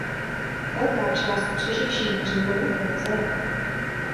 Velká část přeživších Římanů byla zajata.